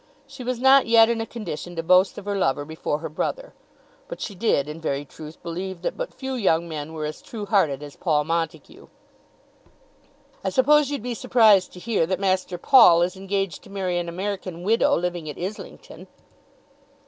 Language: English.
She was not yet in a condition to boast of her lover before her brother, but she did, in very truth, believe that but few young men were as true hearted as Paul Montague. "I suppose you'd be surprised to hear that Master Paul is engaged to marry an American widow living at Islington."